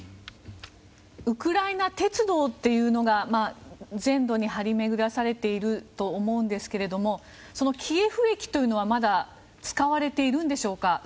ウクライナ鉄道というのが全土に張り巡らされていると思うんですけれどもキエフ駅というのは、まだ使われているんでしょうか？